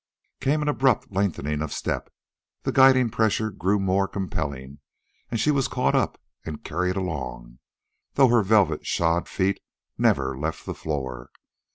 Came an abrupt lengthening of step, the guiding pressure grew more compelling, and she was caught up and carried along, though her velvet shod feet never left the floor.